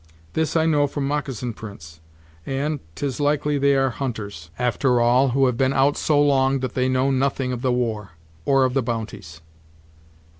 This I know from moccasin prints; and 't is likely they are hunters, after all, who have been out so long that they know nothing of the war, or of the bounties."